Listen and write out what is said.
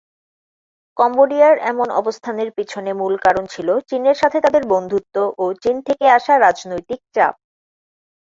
কম্বোডিয়ার এমন অবস্থানের পিছনে মূল কারণ ছিল চীনের সাথে তাদের বন্ধুত্ব ও চীন থেকে আসা রাজনৈতিক চাপ।